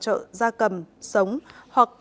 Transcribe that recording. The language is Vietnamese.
chợ da cầm sống hoặc